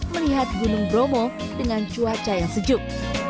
melihat gunung bromo dengan cuaca yang sejuk